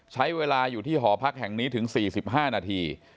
ใช้เวลาอยู่ที่หอพักแห่งนี้ถึง๔๕นาที